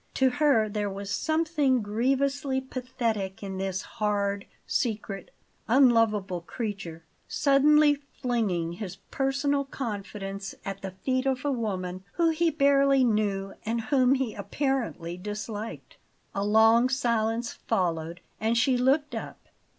To her there was something grievously pathetic in this hard, secret, unlovable creature, suddenly flinging his personal confidence at the feet of a woman whom he barely knew and whom he apparently disliked. A long silence followed, and she looked up.